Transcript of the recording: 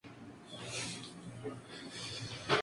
Su nombre era Lisa Worthington.